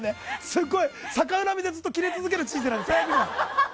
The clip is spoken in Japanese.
すごい逆恨みでずっとキレ続ける人生なんだから。